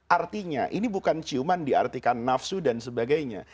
artinya ini bukan ciuman diartikan nafsu dan sebagainya